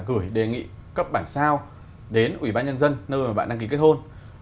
gửi đề nghị cấp bản sao đến ủy ban nhân dân nơi mà bạn đăng ký kết hôn